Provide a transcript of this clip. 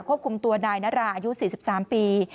ควบคุมตัวนายนาราอายุ๔๓ปี